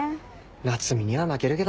夏海には負けるけどな。